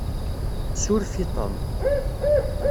Suref i Tom.